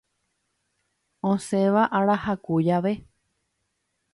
Osẽva ára haku jave.